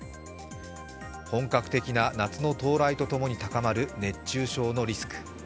本格的な夏の到来とともに高まる熱中症のリスク。